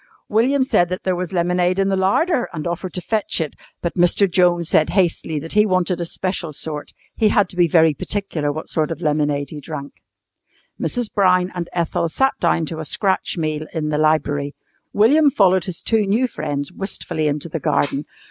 William said that there was lemonade in the larder and offered to fetch it, but Mr. Jones said hastily that he wanted a special sort. He had to be very particular what sort of lemonade he drank. Mrs. Brown and Ethel sat down to a scratch meal in the library. William followed his two new friends wistfully into the garden.